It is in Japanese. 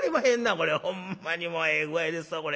これほんまにもうええ具合ですわこれ。